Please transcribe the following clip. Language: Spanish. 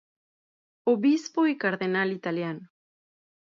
Obispo y cardenal italiano.